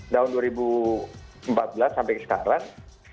tahun dua ribu empat belas sampai sekarang